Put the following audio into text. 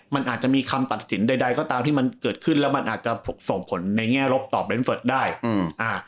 มันอาจจะมีคำตัดสินใดใดก็ตามที่มันเกิดขึ้นแล้วมันอาจจะส่งผลในแง่ลบตอบเรนเฟิร์ตได้อืมอ่า